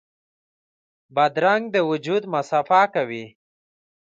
بادرنګ د وجود مصفا کوي.